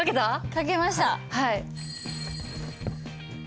書けました。